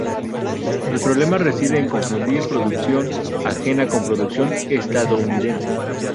El problema reside en confundir producción ajena con producción estadounidense.